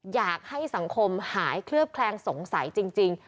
อยากให้สังคมหายเคลือบแคลงสงสัยจริง